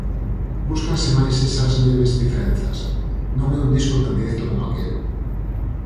Búscanse máis esas leves diferenzas, non é un disco tan directo como aquel.